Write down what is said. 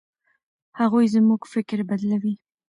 هغوی زموږ فکر بدلوي.